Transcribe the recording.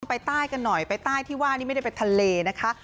ไปใต้กันหน่อยไปใต้ที่ว่านี่ไม่ได้ไปทะเลนะคะ